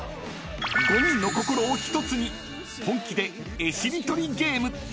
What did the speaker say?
［５人の心を１つに本気で絵しりとりゲーム］